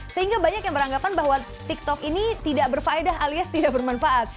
sehingga banyak yang beranggapan bahwa tiktok ini tidak berfaedah alias tidak bermanfaat